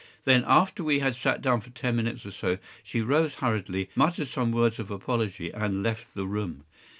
Then, after we had sat down for ten minutes or so, she rose hurriedly, muttered some words of apology, and left the room.